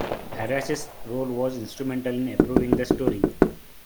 Harras's role was instrumental in approving the story.